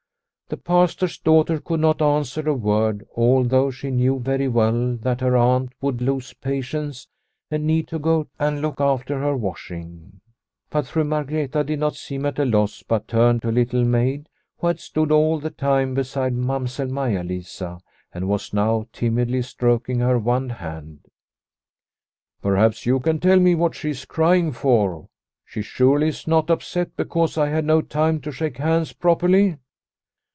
The Pastor's daughter could not answer a word, although she knew very well that her aunt would lose patience and need to go and look after her washing. But Fru Margreta did not seem at a loss, but turned to Little Maid, who had stood all the time beside Mamsell Maia Lisa and was now timidly stroking her one hand. The Silver Thaler 137 " Perhaps you can tell me what she is crying for ? She surely is not upset because I had no time to shake hands properly